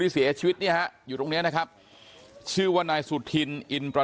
ที่เกิดเกิดเหตุอยู่หมู่๖บ้านน้ำผู้ตะมนต์ทุ่งโพนะครับที่เกิดเกิดเหตุอยู่หมู่๖บ้านน้ำผู้ตะมนต์ทุ่งโพนะครับ